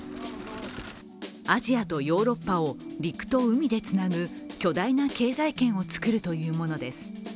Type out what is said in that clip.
アジアとヨーロッパを陸と海でつなぐ巨大な経済圏を作るというものです。